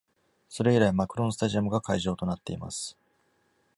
それ以来、マクロンスタジアムが会場となっています。